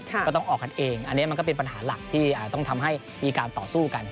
ก็ต้องออกกันเองอันนี้มันก็เป็นปัญหาหลักที่ต้องทำให้มีการต่อสู้กัน